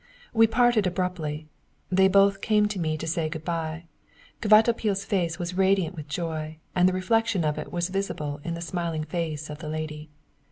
We parted abruptly. They both came to me to say good bye. Kvatopil's face was radiant with joy, and the reflection of it was visible in the smiling face of the lady.